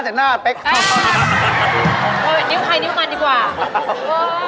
ติ้งไปกัน